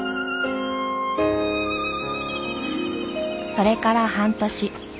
それから半年。